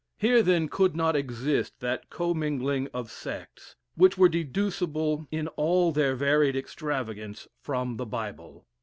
Here, then, could not exist that commingling of sects, which were deducible in all their varied extravagance from the Bible.